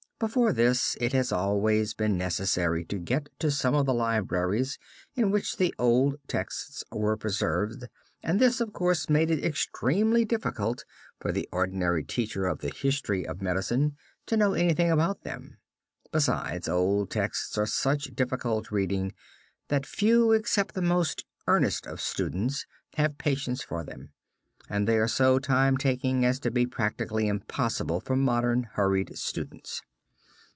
Before this, it has always been necessary to get to some of the libraries in which the old texts were preserved, and this, of course, made it extremely difficult for the ordinary teacher of the history of medicine to know anything about them. Besides, old texts are such difficult reading that few, except the most earnest of students, have patience for them, and they are so time taking as to be practically impossible for modern, hurried students.